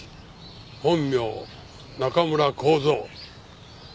本名中村幸三。